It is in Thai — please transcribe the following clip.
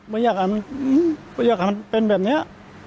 ไม่อยากให้มันเป็นแบบนี้